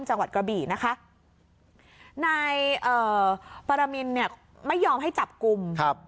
จังหวัดกระบี่นะคะนายเอ่อปรมินเนี่ยไม่ยอมให้จับกลุ่มครับ